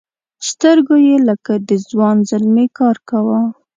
سترګو یې لکه د ځوان زلمي کار کاوه.